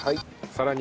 さらに。